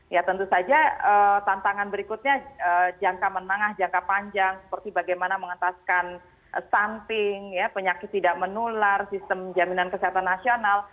ya tentu saja tantangan berikutnya jangka menengah jangka panjang seperti bagaimana mengentaskan stunting penyakit tidak menular sistem jaminan kesehatan nasional